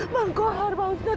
pak kauh hari pak ustadz